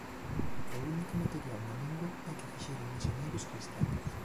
O único material na lingua é que fixeron misioneiros cristiáns.